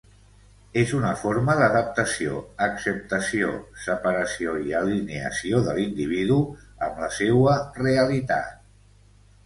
És una forma d'adaptació, acceptació, separació i alineació de l'individu amb la seua realitat.